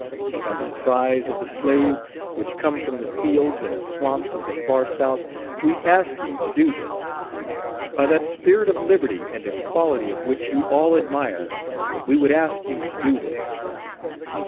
By the cries of the slave, which come from the fields and swamps of the far South, we ask you to do this! By that spirit of liberty and equality of which you all admire, we would ask you to do this.